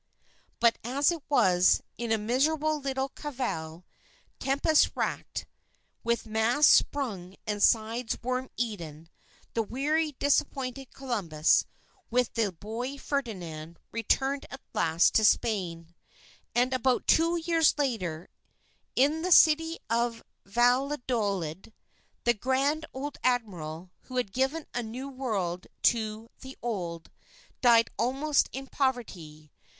But as it was, in a miserable little caravel, tempest racked, with masts sprung and sides worm eaten, the weary disappointed Columbus with the boy Ferdinand, returned at last to Spain. And about two years later, in the City of Valladolid, "the Grand Old Admiral," who had given a New World to the Old, died almost in poverty.